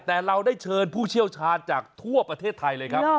แต่เราได้เชิญผู้เชี่ยวชาญจากทั่วประเทศไทยเลยครับ